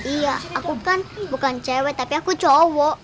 iya aku bukan cewek tapi aku cowok